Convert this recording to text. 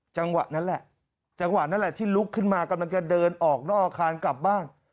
จังหวะนั้นแหละจังหวะนั้นแหละที่ลุกขึ้นมากำลังจะเดินออกนอกอาคารกลับบ้าน